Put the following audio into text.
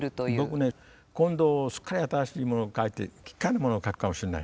僕ね今度すっかり新しいものを書いていく奇っ怪なものを書くかもしれない。